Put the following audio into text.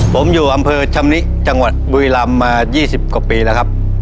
ผมอยู่อำเภอชำนิจังหวัดบุรีรำมา๒๐กว่าปีแล้วครับ